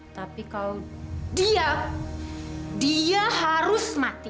tapi kalau dia dia harus mati